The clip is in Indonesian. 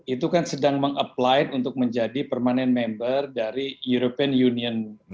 itu kan sedang meng apply untuk menjadi permanent member dari european union